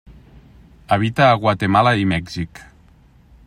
Habita a Guatemala i Mèxic.